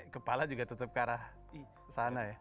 kepala juga tetap ke arah sana ya